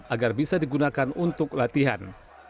agar bisa digunakan untuk latihan